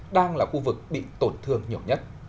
đang là khu vực bị tổn thương nhiều nhất